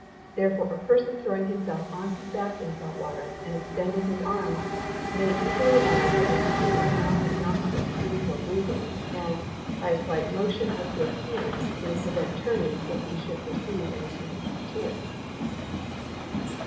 Therefore a person throwing himself on his back in salt water, and extending his arms, may easily lie so as to keep his mouth and nostrils free for breathing; and, by a slight motion of his hand, may prevent turning, if he should perceive any tendency to it.